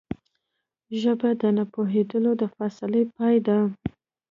ژبه د نه پوهېدو د فاصلې پای ده